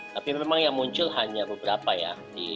tapi memang yang muncul hanya beberapa ya